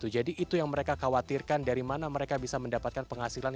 jadi itu yang mereka khawatirkan dari mana mereka bisa mendapatkan penghasilan